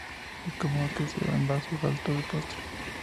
Es común se sirva en vasos altos de postre.